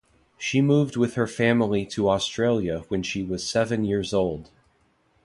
She moved with her family to Australia when she was seven years old.